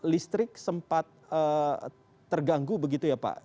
listrik sempat terganggu begitu ya pak